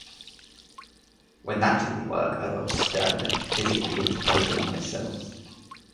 When that didn’t work I got sterner, physically interposing myself.